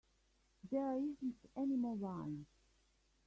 There isn't any more wine.